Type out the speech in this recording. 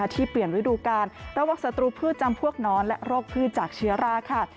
ที่เปลี่ยนฤดูการระวังศัตรูพืชจำพวกนอนและโรคพืชจากเชื้อราค่ะ